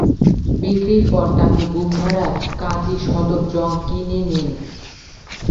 বিক্রির পর তাকে বুখারার কাজী সদর জং কিনে নেন।